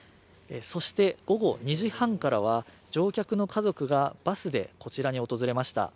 午後２時半からは、乗客の家族がバスでこちらに訪れました。